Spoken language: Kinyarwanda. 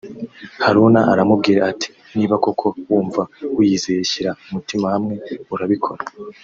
Haruna aramubwira ati “Niba koko wumva wiyizeye shyira umutima hamwe urabikora